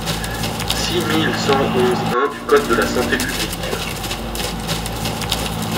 six mille cent onze-un du code de la santé publique.